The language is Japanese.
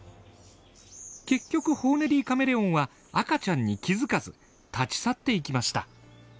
結局ホーネリーカメレオンは赤ちゃんに気づかず立ち去っていきました。